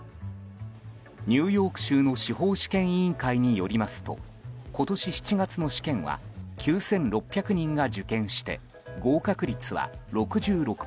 ニューヨーク州の司法試験委員会によりますと今年７月の試験は９６００人が受験して合格率は６６％。